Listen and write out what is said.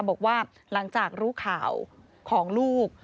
บอกว่าหลังจากรู้ข่าวของลูก